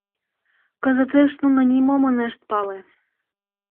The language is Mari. Кызытеш нуно нимом ынышт пале.